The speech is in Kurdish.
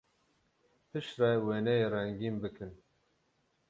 Piştre wêneyê rengîn bikin.